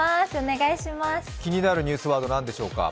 気になるニュースワード、何でしょうか。